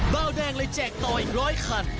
เบาแดงเลยแจกต่ออีกร้อยคัน